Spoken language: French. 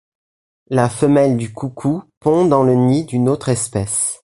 La femelle du coucou pond dans le nid d'une autre espèce.